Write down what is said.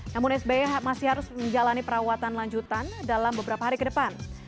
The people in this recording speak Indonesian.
namun sby masih harus menjalani perawatan lanjutan dalam beberapa hari ke depan